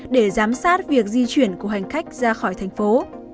để giám sát việc di chuyển của hành khách ra khỏi thành phố